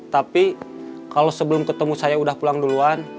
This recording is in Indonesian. tapi kalau sebelum ketemu saya udah pulang duluan